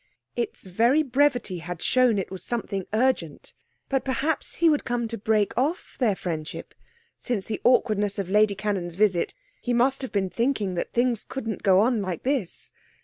Its very brevity had shown it was something urgent, but perhaps he would come to break off their friendship; since the awkwardness of Lady Cannon's visit, he must have been thinking that things couldn't go on like this.